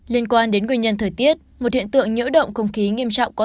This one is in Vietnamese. liên quan đến nguyên nhân thời tiết một hiện tượng nhỡ động không khí nghiêm trọng có